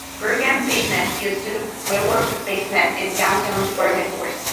"Bargain basement" used to be a literal basement in downtown department stores.